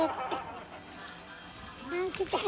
あちっちゃい。